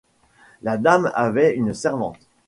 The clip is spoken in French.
La dame avait une servante